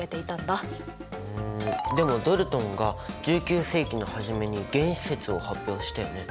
んでもドルトンが１９世紀の初めに「原子説」を発表したよね。